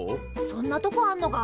そんなとこあんのか？